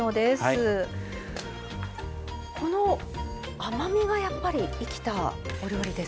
この甘みがやっぱり生きたお料理ですか白菜。